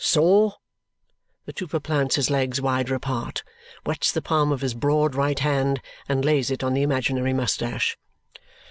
"Sore?" The trooper plants his legs wider apart, wets the palm of his broad right hand, and lays it on the imaginary moustache.